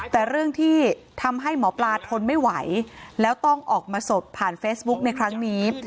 แต่เรื่องที่ทำให้หมอปลาทนไม่ไหวแล้วต้องออกมาสดผ่านเฟซบุ๊กในครั้งนี้